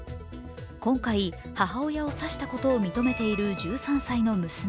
今回、母親を刺したことを認めている１３歳の娘。